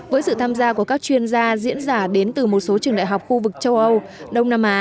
với sự tham gia của các chuyên gia diễn giả đến từ một số trường đại học khu vực châu âu đông nam á